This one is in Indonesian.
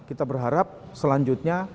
kita berharap selanjutnya